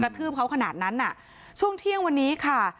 ทืบเขาขนาดนั้นน่ะช่วงเที่ยงวันนี้ค่ะ